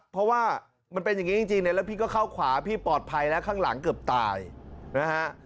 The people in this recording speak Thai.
เพราะว่ามันเป็นอย่างนี้จริงแล้วพี่ก็เข้าขวาพี่ปลอดภัยแล้วข้างหลังเกือบตายนะฮะ